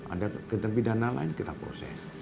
ada kebijakan dana lain kita proses